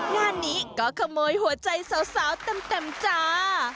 งานนี้ก็ขโมยหัวใจสาวเต็มจ้า